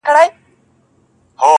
• درد چي سړی سو له پرهار سره خبرې کوي.